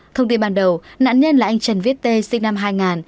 thông tin ban đầu nạn nhân là anh trần viết tê sinh năm hai nghìn